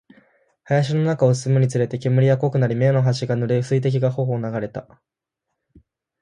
林の中を進むにつれて、煙は濃くなり、目の端が濡れ、水滴が頬を流れた